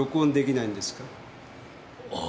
ああ。